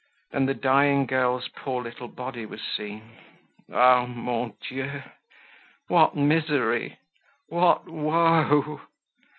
Then the dying girl's poor little body was seen. Ah! Mon Dieu! what misery! What woe!